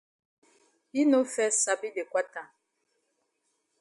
Yi no fes sabi de kwata.